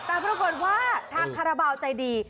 แต่ปรากฏว่าทางคาราบาลใจดี